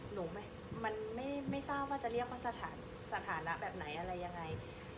มันไม่ทราบว่าจะเรียกว่าสถานะแบบไหนอะไรยังไง